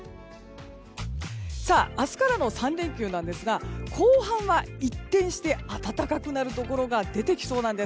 明日からの３連休なんですが後半は一転して暖かくなるところが出てきそうなんです。